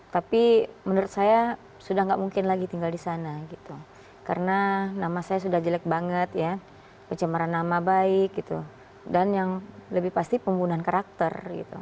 tapi menurut saya sudah tidak mungkin lagi tinggal di sana gitu karena nama saya sudah jelek banget ya kecemaran nama baik dan yang lebih pasti pembunuhan karakter